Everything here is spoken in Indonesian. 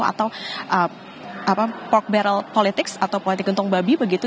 atau port barrel politics atau politik untung babi begitu